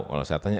kalau saya tanya